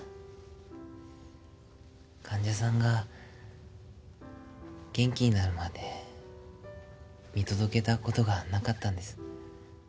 患者さんが元気になるまで見届けたことがなかったんです。